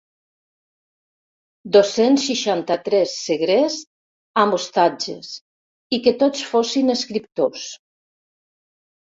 Dos-cents seixanta-tres segrest amb hostatges i que tots fossin escriptors!